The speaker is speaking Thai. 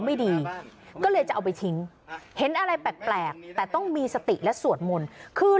ไม่อยากให้แม่เป็นอะไรไปแล้วนอนร้องไห้แท่ทุกคืน